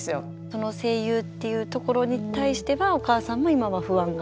その声優っていうところに対してはお母さんも今は不安が？